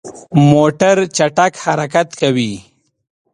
موټر چټک حرکت کوي.